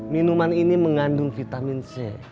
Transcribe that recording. minuman ini mengandung vitamin c